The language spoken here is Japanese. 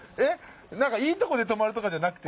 何かいいとこで止まるとかじゃなくて？